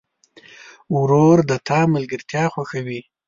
ورور د تا ملګرتیا خوښوي.